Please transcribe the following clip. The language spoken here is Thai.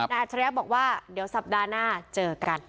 อัจฉริยะบอกว่าเดี๋ยวสัปดาห์หน้าเจอกัน